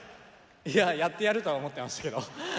いややってやるとは思ってましたけど。